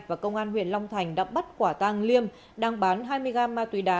và công an huyện long thành đã bắt quả tăng liêm đang bán hai mươi gram ma tuy đá